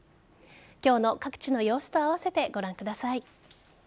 今日の各地の様子と合わせてご覧ください。